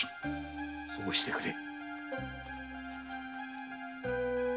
そうしてくれ。